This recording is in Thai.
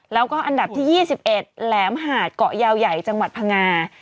แล้วก็อันดับที่๒๑แหลมหาดเกาะยาวใหญ่จังหวัดพังงา